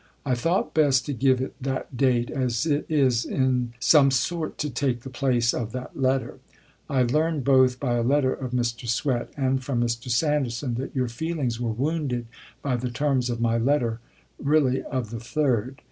I thought best to give it that date, as it is in some sort to take the place of that letter. I learn, both by a letter of Mr. Swett and from Mr. Sanderson, that your feelings were wounded by the terms of my letter really of the 3d.